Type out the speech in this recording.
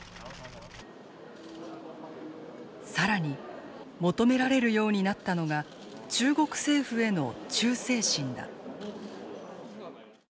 更に求められるようになったのが中国政府への忠誠心だ。